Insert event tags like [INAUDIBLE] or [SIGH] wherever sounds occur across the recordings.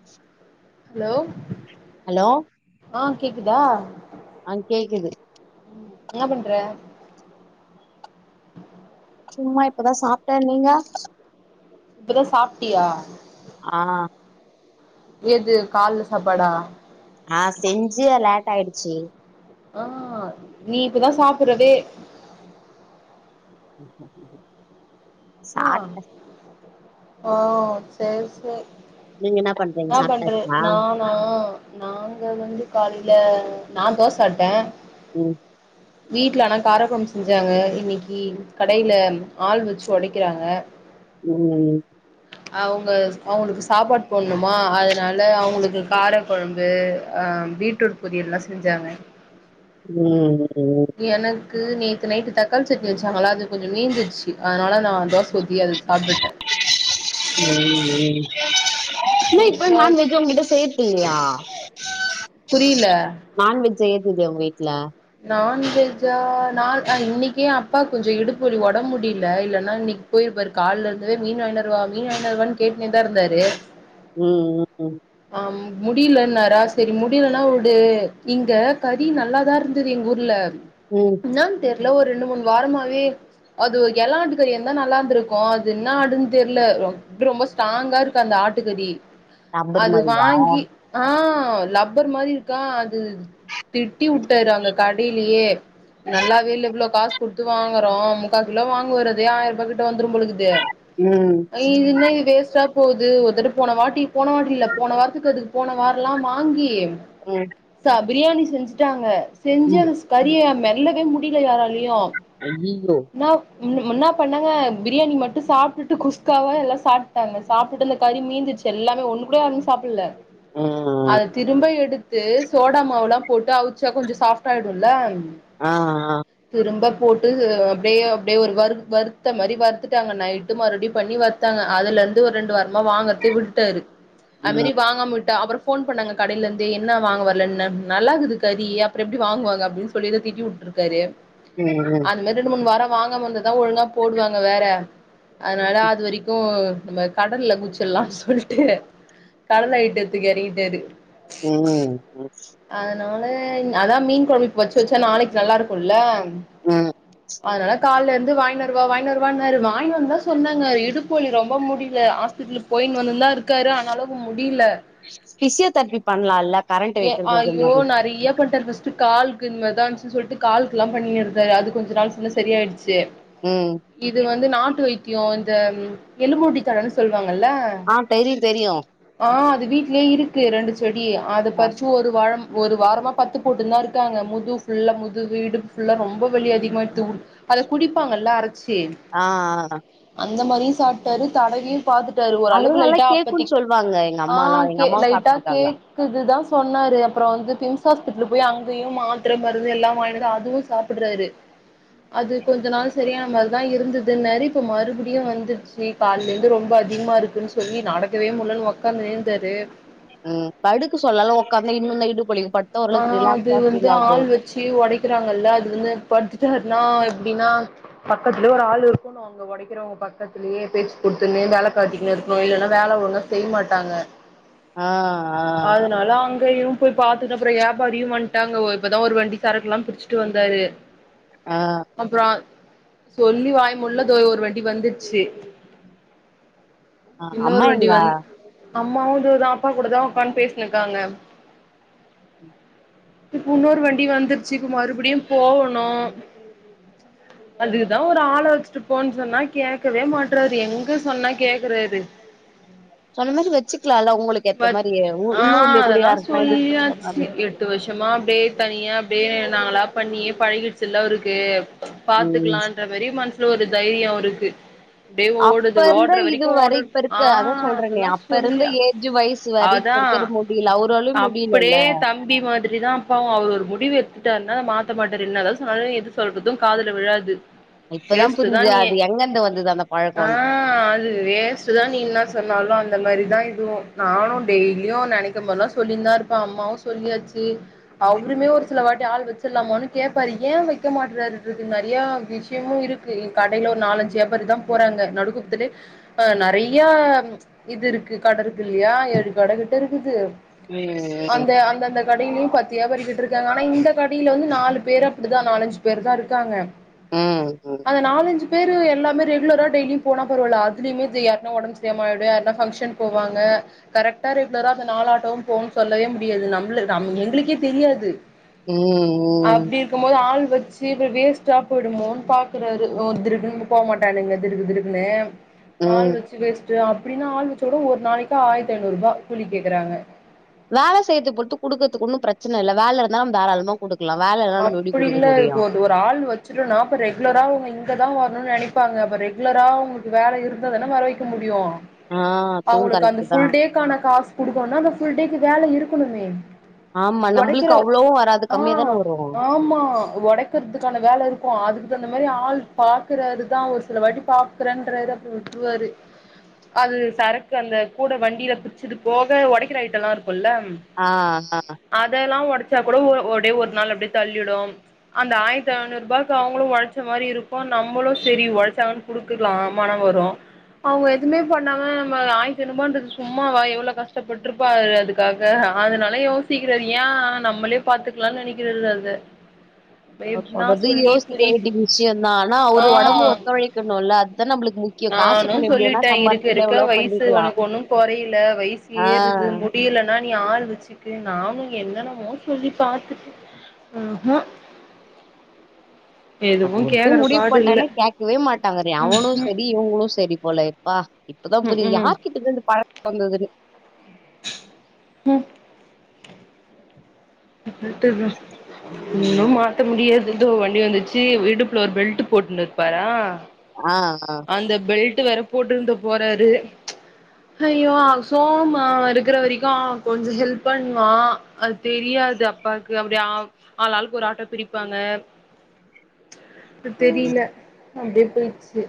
[INAUDIBLE] Hello hello ஆ கேக்குதா ஆ கேக்குது என்ன பண்ற சும்மா இப்பதா சாப்ட்ட நீங்க இப்பதா சாப்ட்டியா ஆ எது கால்ல சாப்பாடா ஆ செஞ்சு லேட் ஆயிடுச்சி ஆ நீ இப்பதா சாப்பர்றதே ஆ சாப்ட்ட ஓ சேர் சேர் நீங்க என்ன பண்றீங்க சாப்ட்டாச்சா ஆ நாங்க வந்து காலையில நா தோச சாப்ட்ட ம் வீட்ல அனா காரக்கொழம்பு செஞ்சாங்க இன்னிக்கி கடையில ஆள் வச்சு தொடைக்கறாங்க ம் [INAUDIBLE] அவுங்க அவுங்களுக்கு சாப்பாட் போடுணுமா அதனால் அவுங்களுக்கு காரக்கொழம்பு அ பீட் ரூட் பொரியல்லா செஞ்சாங்க ம் ம் எனக்கு நேத்து நைட்டு தக்காளி சட்டி வெச்சாங்களா அது கொஞ்சோ மீந்துருச்சு அதனால நா தோச ஊத்தி அத சாப்டுட்ட என்ன இப்ப முடிச்சாச்சு நான்வெஜ்ஜு உங்கிட்ட செய் [UNINTELLIGIBLE] இல்லயா புரில நான்வெஜ் செய்யறதில்லயா உங்க வீட்ல நான்வெஜ்ஜா நா இன்னக்கி அப்பாக் கொஞ்சொ இடுப்பு வலி ஒடம் முடில இல்லனா இன்னக் போயிருப்பாரு கால்லருந்தவே மீன் வாய்ண்டரவா மீன் வாயிண்டரவானு கேட்னேதாருந்தாரு ம் ம் ம் ஆம் முடிலன்னாரா செரி முடிலனா உடு இங்க கறி நல்லாதாருந் ந்துது எங்கூர்ல ம் இன்னான் தெர்ல ஒரு ரெண்டு மூன் வாரமாவே அது உ எளாண்டு கறியாந்தா நல்லாந்துருக்கூ அது இன்னா ஆடுன் தெர்ல ரொம் ப்ரு ரொம்பொ ஸ்ட்டாங்கா இருக்குஅந்த ஆட்டுக்கறி ரப்பர் அது மாரியா வாங்கி அ லப்பர் மாரிருக்கா அது திட்டி உட்டாரு அந்த கடைலியே நல்லாவேல்ல இவ்ளோ காசு குடுத்து வாங்கறோ முக்காக்கிலோ வாங்குவாரதே ஆயிர ருபா கிட்ட வந்துரும் போழக்குது ம் அ இது இன்னா இது வேஸ்ட்டா போது ஒருதட்டு போனவாட்டி போனவாட் ட்டில போன வாரத்துக்கதுக் போன வாரல்லா வாங்கி ம் சா பிரியாணி செஞ்சுட்டாங்க செஞ்சு ம் அது ச கறிய மெல்லவே முடில யாராலயு அய்யிய்யோ நா முன் முன்னா பண்ணாங்க பிரியாணி மட்டு சாப்ட்டுட்டு குஸ்காவா எல்லா சாப்ட்டாங்க சாப்ட்டுட்டு அந்த கறி மீந்துச்சு எல்லாமே ஒண்ணுகூட யாரும் சாப்புல்ல ஆ அத திரும்ப எடுத் து சோடா மாவுலாம் போட்டு அவுச்சா கொஞ்ச சாஃப்ட்டாயிடுல்ல ஆ ஆ திரும்ப போட்டு அப்பிடியே அப்பிடியே ஒரு வருத் வருத்தமாரி வருத்துட்டாங்க நைட்டு மறுடி பண்ணி வருத் த்தாங்க அதுலருந்து ஒரு ரெண்டு வாரமா வாங்கறதே விட்டுட்டாரு அதுமேரி ம் வாங்காம விட்டா அப்பறம் ஃபோன் பண்ணாங்க கடையிலந்து என்னா வாங்க வரலன் நல் நல்லாக்குது கறி அப்புறம் எப்பிடி வாங்குவாங்க அப்டின் சொல்லி எதோ திட்டிவுட்டு ட்டாரு ம் அந்தமார் ரெண்டு மூணு வாரம் வாங்காமருந்தாதா ஒழுங்கா போடுவாங்க வேற அதனால அதுவரைக்கூ நம்ம கடல்ல குதுச்சல்லான் சொல்ட்டு கடல் அயிட்டத்துக்கு எறங்கிட்டாரு ம் ம் அதனால அதா மீன் கொழம்பு இப்ப வச்சு வச்சா நாளக்கி நல்லாருக்குல்ல ம் அதனால கால்லருந்து வாய்னருவா வாய்னருவான்னாரு வாய்னுவாந்தா சொன்னாங்க அவுரு இடுப்பு வலி ரொம்ப முடில ஆஸ் பெட்லு போய்னு வந்துனுதான் இருக்காரு ஆனாலும் முடில ஃபிசியோதெரபி பண்லால்ல ஏ ஐயோ நெறைய பண்ட்டாரு ஃபிஸி ட்டு கால்க்கு இந்மார்தா இருந்துச்சுன் சொல்ட்டு கால்க்லாம் பண்ணியிருந்தாரு அது கொஞ்ச நாள் சொன்ன சரியாயிடுச்சு ம் இது வந்து நாட்டு வைத்தியோ இந்த எலும்பூட்டித்தலன் சொல்வாங்கல்ல ஆ தெரியு தெரியு ஆ அது வீட்லே இருக்கு ரெண்டுச்செடி அத ஆ பரிச் வாலம் ஒரு வாரமா பத்து போட்டுன்தாருக்காங்க முதுஃபுல்லா முதுவு இடுப் ஃபுல்லா ரொம்ப வலி அதிகமாயிடுத்து அத குடிப்பாங்கல்ல அரச்சி ஆ ஆ ஆ அந்த மாரியு சாப்ட்டாரு தடவியு பாத்துட்டாரு அதெல்லா ஓரளவுக்கு நல்லா லைட்டா கேக்குன்னு அப்பத்திக் சொல்வாங்க எங்க ஆ அம்மாலா எங்க கே அம்மாவு லைட்டா சாப்ட்ருக்காங்க கேக்குதுதா சொன்னாரு அப்பறொ வந்து பிம்ஸ் ஆஸ்பிட்டல் போய் அங்கியு மாத்தர மருந்து எல்லாம் வாய்னு வந்து அதுவு சாப்புறாரு அது கொஞ்ச நாள் சரியான மார்தா இருந்துதுன்னாரு இப்ப மறுபடியு வந்துருச்சி கால்லேருந்து ரொம்ப அதிகமாருக்குன் சொல்லி நடக்கவே முட்லன் ஒக்காந்தேருந்தாரு ம் படுக்க சொல்லலா உகார்ந்தே இன்னோந்தா இடுப்பு வலிக்கு ஆனா ஓரளவுக்கு அது ரிலாக்ஸா வந்து ஃபீல் ஆகு ஆள் வச்சி உடைக்கிறாங்கல்ல அது வந்து பத்துட்டாருனா எப்டின்னா பக்கத்துலே ஒரு ஆள் இருக்கன்னு ம் அவங்க ஒடைக்கிறவங்க பக்கத்துலயே பேச்சு கொடுத்துன்னு வேல காட்டிக்கனு இருக்கணும் இல்லன்னா வேல ஒலுங்கா செய்ய மாட்டாங்க ஆ ஆ அதனால அங்கயும் போய் பாத் துட்டு அப்பற வியாபாரியு வண்டாங்க இப்பதா ஒரு வண்டி சரக்கு எல்லா பிரிச்சுட்டு வந்தாரு ஆ அப்பற சொல்லி வாய மூடல தோ ஒரு வண்டி வந்துடுச்சு ஆ இன்னொரு அம்மா வண்டி எங்க வந்து அம்மாவும் இதுதா அப்பா கூடதா ஒக்கான்னு பேசினக்காங்க இப்ப இன்னோரு வண்டியு வந்துருச்சு இப்ப மறுபடியு போகணும் அதுக்குதா ஒரு ஆளை வச்சுட்டு போன்னு சொன்னா கேட்கவே மாட்றரு எங்க சொன்னா கேக்குறாரு சொன்ன மாரி வச்சுக்கலாம்ல உங்களுக்கு ஏத்த பட் மாதிரி ஆ உள்ளூர்ல கூட யாருன்னா இருக்குற மாதிரி பத்து வருஷமா அப்டியே தனியா அப்டியே நாங்களா பண்ணியே பழகிருச்சுல அவருக்கு ம் பாத்துக்கலான்ற மாரி மனசுல ஒரு தைரிய அவுருக்கு அப்டியே அப்ப ஓடுது இருந்த ஓடுற இது வரைக்கும் வரை ஓடட் இப்ப ஆ அதெல்லா சொல்லி அஞ்சு வயசு வரை இப்ப அதா இருக்கற முடியல அவுராளையு முடிலல்ல அப்டியே தம்பி மாதிரி தா அப்பாவும் அவர் ஒரு முடிவு எடுத்துட்டாருனா அத மாத்த மாட்டாரு என்னதா சொன்னாலு எது சொல்றது காதுல விழாது இப்பதா வேஸ்ட்டு தா புரிஞ்சுது நீ அது எங்கருந்து வந்தது அந்த பழக்க உனக்கு ஆ அது வேஸ்ட் தா நீ என்ன சொன்னாலும் அந்த மாதிரிதா இதுவும் நானு டெய்லியும் நினைக்க போதல்லா சொல்லியிருந்தா இருப்ப அம்மாவும் சொல்லியாச்சு அவருமே ஒரு சில வாட்டி ஆள் வச்சிடலாமான்னு கேட்பார் எய வைக்க மாட்டறாரு இருக்கு நெறையா விஷயமும் இருக்கு க்கு கடைல ஒரு நாலஞ்சு வியாபாரி தா போறாங்க நடுகுத்துலே ஆ நெறைய இது இருக்கு கட குல்லயா எழு கட கிட்ட இருக்குது ம் அந்த அந்த கடையிலயும் பத்து வியாபாரி கிட்டருக்காங்க ஆனா இந்த கடையில வந்து நாலு பேர் அப்டிதான் நாலஞ்சு பேர் தா இருக்காங்க ம் அந்த நாலஞ்சு பேர் எல்லாமே ரெகுலர டெய்லும் போன பரவால அதுலயுமே இது யார்ன ஒடம்பு சரியாம ஆயிடு யார்னா ஃபங்க்ஷன் போவாங்க அ கரெக்டா ரெகுலரா அந்த நாலு ஆட்டோவும் போவு சொல்லவே முடியாது நம்ளு நம் எங்களுக்கே தெரியாது ம் ம் அப்டி இருக்கும் போது ஆள் வச்சு அப்ற வேஸ்ட்டா போயிடுமோனு பாக்குறாரு [UNINTELLIGIBLE] போக மாட்ட டானுங்க திருக்குதுருக்குனு ஆள் ம் வச்சு வேஸ்ட் அப்டின்னா ஆள் வச்சோட ஒரு நாளைக்கு ஆயிரத்தி ஐநூறுபா கூலி கேக்குறாங்க வேலை செய்யது பொறுத்து குடுக்கறதுக்கு ஒன்னும் பிரச்சன இல்ல வேலை இருந்தா நம்ம தாராளம குடுக்கலா வேலை இல்லன்ன நம்ம எப்டி குடுக்க முடியு இப்ப ஆள் வச்சருனா அப்ப ரெகுலரா அவங்க இங்க தா வரணும்னு நினைப்பாங்க அப்ப ரெகுலரா உங்களுக்கு வேல இருந்தாதன வர வைக்க முடியும் ஆ அதுவு அவங்களுக்கு அந்த கரெக்ட் தா ஃபுல் டேக்கான காசு குடுக்கோனா அந்த ஃபுல் டேக்கு வேல இருக்கணுமே ஆமா ஒடைக்கிற நம்மளுக்கு அவ்வளவு வராது ஆ கம்மியா தான வரும் ஆமா உடைக்கிறதுக்கான வேலை இருக்கும் அதுக்கு தகுந்த மாதிரி ஆள் பாக்குறாருதா ஒரு சில வாட்டி பா ரண்டரேது அப்ரோ விட்டுருவாரு அது சரக்கு அந்த கூட வண்டியில புடிச்சது போக ஒடைக்கிற ஐட்டோலா இருக்குல்ல ஆ ஆ அதெல்லா ஒடைச்சா கூட ஒரு டே ஒரு நாள் அப்படி தள்ளிடு அந்த ஆயிரத்தி ஐநூருபாக்கு அவங்களு ஒழைச்ச மாரி இருக்கு நம்மளு சரி ஒழைச்ச குடுக்கலா மனோ வரு அவங்க எதுவுமே பண்ணாம நம்ம ஆயிரத்த ஐநூரு ரூபான்ரது சும்மாவா எவ்ளோ கஷ்டப்பட்டிருப்பா அதுக்கு க்காக அதனால யோசிகிறாரு எ நம்மளே பாத்துக்குளானு நெனைக்கிராரு அத அவர் சொல்றது யோசிக்க வேண்டிய விஷியோந்தா ஆனா ஆ அவர் ஓடம்பு ஒத்துழைக்கணுல்ல அதுதா நம்மளுக்கு முக் நானு சொல்லிட்டே இருக்க இருக்க வயசு பண்ணிக்கலா ஒனக்கு ஒன்னு கொறையல வயசு ஆ ஏறுது முடியலென்னா நீ ஆள் வெச்சுக்கோ நானு என்னென்னமோ சொல்லி பாத்துட்ட ம் ம்ம்ம் அது ஒரு டைம் முடிவு இல்ல பண்ட்டன்னா கேட்கவே மாட்டாங்க அவனு சரி இவங்களு சரி போல பா இப்பதா ம்ஹும் புரியுது யாருக்கிட்ட இருந்து இந்த பழகோ வந்ததுன்னு ம் விட்டுர்ரே இன்னு மாத்த முடியாது இதோ வண்டி வந்துச்சு இடுப்புள்ள ஒரு பெல்ட் போட்டுனு இருப்பாரா ஆ ஆ அந்த பெல்ட்டு வேற போட்டுருந்து போறாரு ஐய்யோ சோமா இருக்கிற வரைக்கோ கொஞ்சோ ஹெல்ப் பண்ணுவா அது தெரியாது இது அப்பாவுக்கு அப்படியே ஆ ஆளாளுக்கு ஒரு ஆட்டோ பிடிப்பாங்க அது உம் தெரியல அப்படியே போயிரிச்சு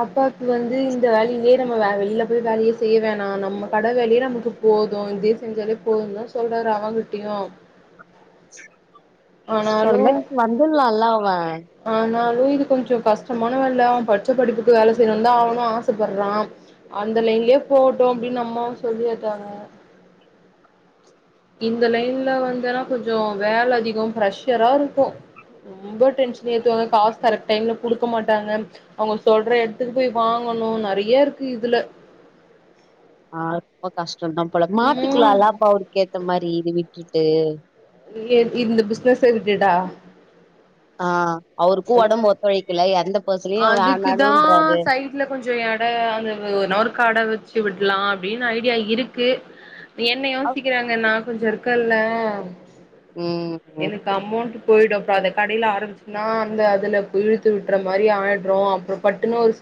அப்பாக்கு வந்து இந்த வேலையிலேயே நம்ம வெளியில போய் வேலையே செய்ய வேண்டா நம்ம கட வேலையே நமக்கு போது இதே செஞ்சாலே போதுன்தா சொல்றாரு அவங்கிட்டயு ஆனாலு சோல்லிட்டு வந்துடுலால்ல அவ ஆனாலு இது கொஞ்சோ கஷ்டமான வேல அவ படிச்ச படிப்புக்கு வேல செய்யணு தா அவனு ஆசைப்படுறா அந்தலைன்லயே போகட்டு அப்படின்னு அம்மாவு சொல்லி உட்டாங்க இந்த லைன்ல வந்தன்னா கொஞ்சோ வேல அதிகோ ப்ரெஷரா இருக்கு ரொம்ப டென்ஷன் ஏத்துவாங்க காசு கரெக்ட் டைம்ல குடுக்க மாட்டாங்க அவங்க சொல்ற எடத்துக்கு போய் வாங்கணு நறைய இருக்கு இதுல ஆ ரொம்ப கஷ்டோத போல ம் மாத்திக்கலால்லா அப்ப அவருக்க ஏத்த மாரி இது விட்டுட்டு ஏ இந்த பிசினஸ்சே விட்டுட்டா ஆ அவருக்கு ஓடம்பு ஓத்தழைக்கல எந்த பரிச்சனையூ வேண்டான்றாரு வீட்டுல கொஞ்சோ எடோ அந்த ஓருகட வெச்சு விடலா அப்படின்னு ஐடியா இருக்கு என்ன யோசிக்கிறாங்க நா கொஞ்சோ இருக்கல்ல ம் எனக்கு அமொண்ட் போயிடு அப்புறோ அத கடையில ஆரம்பிச்சுன்னா இல்ல அதுல இழுத்து விட்டுற மாரி ஆயிடுறோ அப்புறோ பட்டுன்னு ஒரு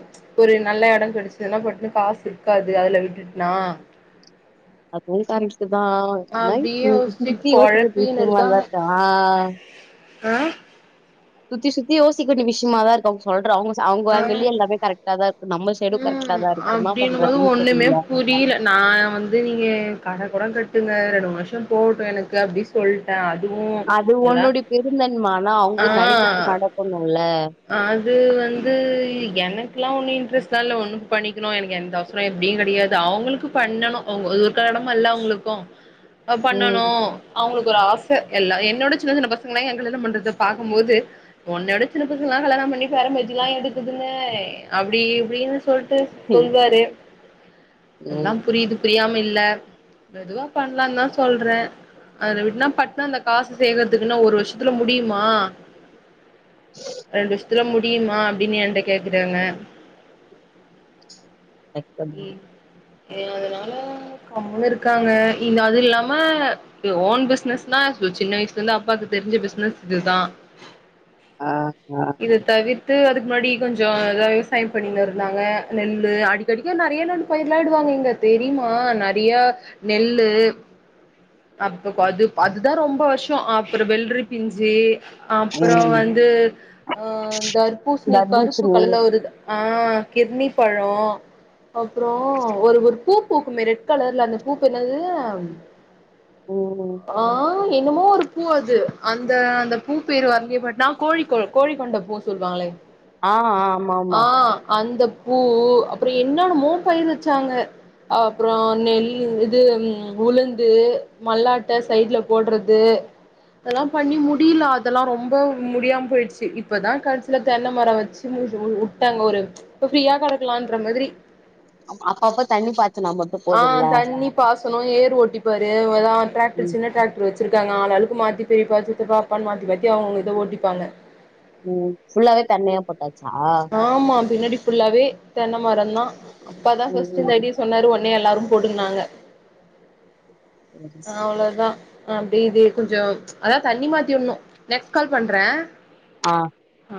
ஒரு நல்ல எடோ கடைச்துன்னா பட்டுன்னு காசு இருக்காது அதுல விட்டுட்னா அதுவு கரெக்டுதா நைட் அப்டியே சுத்தி யோசிச்சு சுத்தி யோசிக்கவேண்டிய கொழப்பின்னு இருக்கு இருக்காங்க ஆதாத ஆ சுத்தி சுத்தி யோசிக்கவேண்டிய விஷியமா தா இருக்கு சொல்ற அவங்க அவங்க ஏங்கில்லையு ஆ எல்லாமே கரெக்டா தா இருக்கு நம்ம சேடு ம் கரெக்டா தா இருக்கு என்னா பண்றதுன்னு தெரியல முடியல நா வந்து நீங்க கட கூட கட்டுங்க ரெண்டு வருஷோ போட்டு எனக்கு அப்டி சொ சொல்ட்ட அதுவு அது எல்லா உன்னுடைய பெருந்தன்ம ஆனா ஆ அவங்க நெனைக்கிறது நடக்கணுல்ல ஆது வந் அது எனக்கெலா ஒன்னு இன்ட்ரெஸ்ட் தா இல்ல ஒன்னுக்கு பண்ணிக்கணு எனக்கு எந்த அவசரோ எப்டியு கடையாது அவங்களுக்கு பண்ணணு அவங்க அதொருக்கா எடமல்லா அவங்களுக்கு பண்ணணு ம் அவங்களுக்கு ஒரு ஆச எல்லா என்னோட சின்ன சின்ன பசங்கலா எங்கல்ல பண்றது பாக்கும் போது உன்னையோட சின்ன [UNINTELLIGIBLE] கல்யானோ பண்ணி பேர பேத்தி ல்லா எடுக்குதுன்னு அப்படி இப்படின்னு சொல்ட்டு ம் சொல்வாரு எல்லா ம் புரியது புரியாம இல்ல மெதுவா பண்ணலாதா சொல்றே அத விட்டுனா பட்டுனா அந்த காசு சேர்கறதுக்குன்னு ஒரு வருஷத்துல முடியுமா ரெண்டு வஷ்ஷத்துல முடியுமா அப்டின்னு என்ட்ட கேக்குறாங்க இ கஷ்டம்தான். ஏ அதனால கம்முனு இருக்காங்க இந்து அது இல்லாம கு ஓன் பிஸ்னஸ்னா சின்ன வயசுல இருந்து அப்பாவுக்கு தெரிஞ்ச பிஸ்னஸ் இதுதா ஆ ஆ இத தவிர்த்து அதுக்கு முன்னாடி கொஞ்சோ இத விவசாய பண்ணிட்டு இருந்தாங்க நெல்லு அடி [INAUDIBLE] நெறைய நாடு பயிர்ல ஆடுவாங்க இங்க தெரிமா நெறையா நெல்லு அப்பக் அது அதுதா ரொம்ப வருஷோ அப்புறோ வெள்ரி பிஞ்சி அப்பறோ ம் வந்து அ தர்பூசணி கருப்பு தர்பூசணி கலர்ல வருது ஆ கிர்ணி பழோ அப்புறோ ஒரு ஒரு பூ பூக்குமே ரெட் கலர்ல அந்த பூப் என்னது உ உ ஆ என்னமோ ஒரு பூ அது அந்த அந்த பூ பேர் அங்கிய பட்னா கோழி கோல கோழிக் கொண்ட பூ சொல்லுவாங்களே ஆ ஆ ஆமா ஆ ஆமா அந்த பூ அப் அப்புறோ என்னன்னு மோ பயிர் வச்சாங்க அப்புறோ நெல் இது உளுந்து மல்லாட்ட சைடுல போடுறது அதெல்லா பண்ணி முடில அத் அதெல்லா ரொம்ப முடியாம போயிடுச்சு இப்பதா கடெசில தென்ன மரோ வச்சு மூ உ உ வுட்டாங்க ஒரு இப்ப ஃப்ரீயா கெடக்கலான்ற மாதிரி அப்ப- அப்பப்ப தண்ணி பாய்ச்சனா மட்டு ஆ போதுல்ல தண்ணி பாசனோ ஏர் ஓட்டிப்பாரு எதாவ் ட்ராக்டர் ம் சின்ன ட்ராக் உ வச்சிருக்காங்க ஆளு ஆளுக்கு மாத்தி பெரியப்பா சித்தப்பா அப்பானு மாத்தி மாத்தி அவங்க இத ஓட்டிப்பாங்க உ ஃபுல்லாவே தன்னியா போட்டாச்சா ஆமா பின்னாடி ஃபுல்லாவே தென்ன மரந்தா அப்பா தா ஃபஸ்ட் ம் இந்த ம் ஐடிய சொன்னாரு ஒன்னே எல்லாரு போட்டுக்குனாங்க அவ்ளோதா அப்டி இதே கொஞ்சோ அதா தண்ணி மாத்தி விட்ணு நெக்ஸ்ட் கால் பண்றே ஆ ஆ